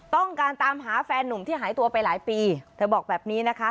ต้องการตามหาแฟนนุ่มที่หายตัวไปหลายปีเธอบอกแบบนี้นะคะ